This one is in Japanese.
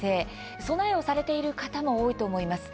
備えをされている方も多いと思います。